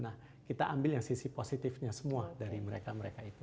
nah kita ambil yang sisi positifnya semua dari mereka mereka itu